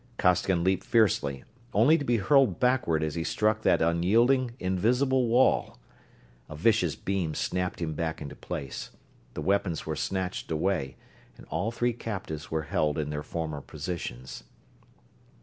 Costigan leaped fiercely, only to be hurled backward as he struck that unyielding, invisible wall. A vicious beam snapped him back into place, the weapons were snatched away, and all three captives were held in their former positions.